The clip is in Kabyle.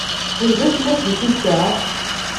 Anda tella temsulta?